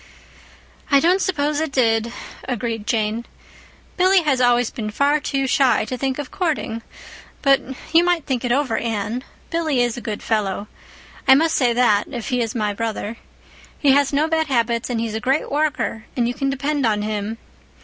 "I don't suppose it did," agreed Jane. "Billy has always been far too shy to think of courting. But you might think it over, Anne. Billy is a good fellow. I must say that, if he is my brother. He has no bad habits and he's a great worker, and you can depend on him.